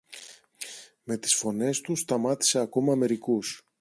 Με τις φωνές του σταμάτησε ακόμα μερικούς.